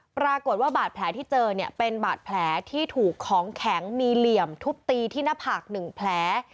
ปรากฏว่าบาดแผลที่เจอเนี่ยเป็นบาดแผลที่ถูกของแข็งมีเหลี่ยมทุบตีที่หน้าผาก๑แผล